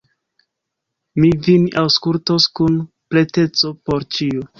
Mi vin aŭskultos kun preteco por ĉio.